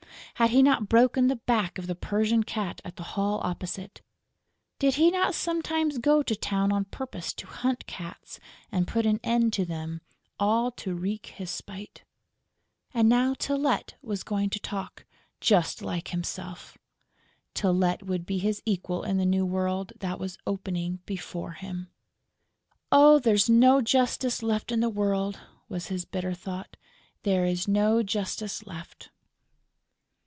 Had he not broken the back of the Persian cat at the Hall opposite? Did he not sometimes go to town on purpose to hunt cats and put an end to them, all to wreak his spite? And now Tylette was going to talk, just like himself! Tylette would be his equal in the new world that was opening before him! "Oh, there is no justice left on earth!" was his bitter thought. "There is no justice left!"